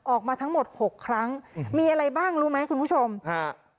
ออกมาทั้งหมดหกครั้งมีอะไรบ้างรู้ไหมคุณผู้ชมฮะ